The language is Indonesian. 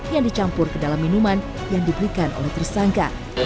yang dicampur ke dalam minuman yang diberikan oleh tersangka